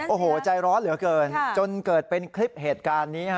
โอ้โหใจร้อนเหลือเกินจนเกิดเป็นคลิปเหตุการณ์นี้ฮะ